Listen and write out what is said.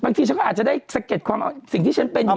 บางทีฉันก็อาจจะได้เอาสังเกตของของสิ่งที่ฉันเป็น